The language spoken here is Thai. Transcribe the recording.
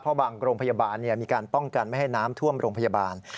เพราะบางโรงพยาบาลมีการป้องกันไม่ให้น้ำท่วมโรงพยาบาล